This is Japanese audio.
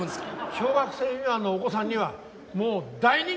小学生未満のお子さんにはもう大人気です。